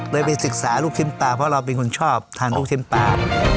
ไปศึกษาลูกชิ้นปลาเพราะเราเป็นคนชอบทานลูกชิ้นปลา